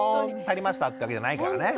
足りましたってわけじゃないからね。